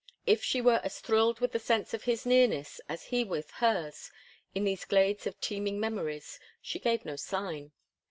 If she were as thrilled with the sense of his nearness as he with hers in these glades of teeming memories, she gave no sign.